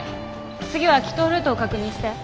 次は帰投ルートを確認して。